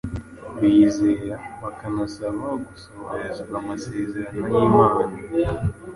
bizera bakanasaba gusohorezwa amasezerano y’Imana.